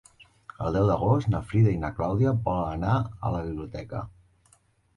El deu d'agost na Frida i na Clàudia volen anar a la biblioteca.